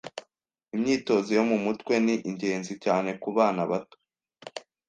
Imyitozo yo mu mutwe ni ingenzi cyane kubana bato.